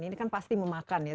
ini kan pasti memakan ya